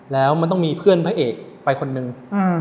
แล้วมันต้องมีเพื่อนพระเอกไปคนนึง